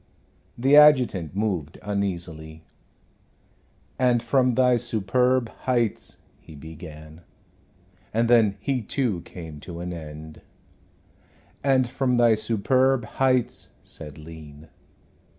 The adjutant moved uneasily. "And from Thy superb heights " he began, and then he too came to an end. "And from Thy superb heights," said Lean.